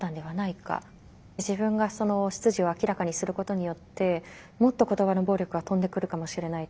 自分が出自を明らかにすることによってもっと言葉の暴力が飛んでくるかもしれない。